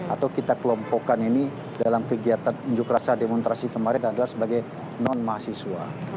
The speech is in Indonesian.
atau kita kelompokkan ini dalam kegiatan unjuk rasa demonstrasi kemarin adalah sebagai non mahasiswa